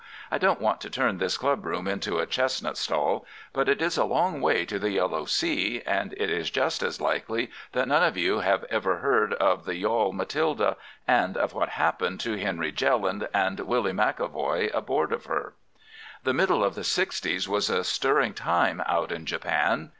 I don't want to turn this club room into a chestnut stall, but it is a long way to the Yellow Sea, and it is just as likely that none of you have ever heard of the yawl Matilda, and of what happened to Henry Jelland and Willy McEvoy aboard of her. "The middle of the sixties was a stirring time out in Japan.